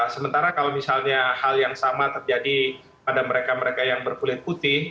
sementara kalau misalnya hal yang sama terjadi pada mereka mereka yang berkulit putih